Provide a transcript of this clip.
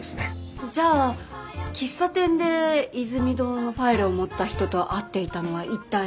じゃあ喫茶店でイズミ堂のファイルを持った人と会っていたのは一体。